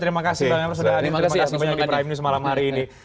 terima kasih pak yogi